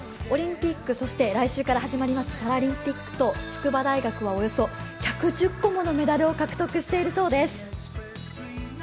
オリンピック、そして来週から始まりますパラリンピックと筑波大学はおよそ１１０個ものメダルを獲得しているそうです。